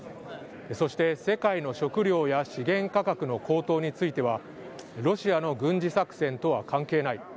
そして世界の食料や資源価格の高騰については、ロシアの軍事作戦とは関係ない。